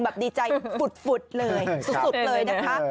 ดีใจฝุดเลยสุดเลยนะคะ